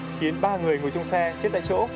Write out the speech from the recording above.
khiến ba người ngồi trong xe chết tại chỗ